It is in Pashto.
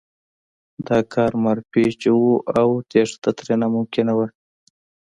دا کان مارپیچ و او تېښته ترې ناممکنه وه